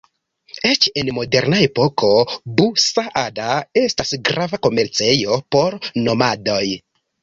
Eĉ en moderna epoko, Bu-Saada estas grava komercejo por nomadoj.